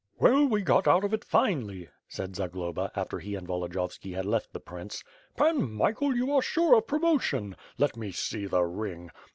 "Well, we got out of it finely," said Zagloba, after he and Volodiyovski had left the prince. "Pan Michael, you are sure of promotion. Let me see the ring!